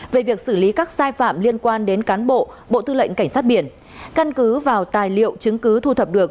về việc xử lý các sai phạm liên quan đến cán bộ bộ tư lệnh cảnh sát biển căn cứ vào tài liệu chứng cứ thu thập được